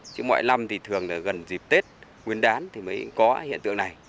chứ mọi năm thì thường là gần dịp tết nguyên đán thì mới có hiện tượng này